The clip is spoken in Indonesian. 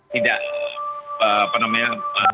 tidak apa namanya